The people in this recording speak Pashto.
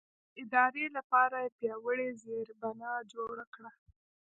د ادارې لپاره یې پیاوړې زېربنا جوړه کړه.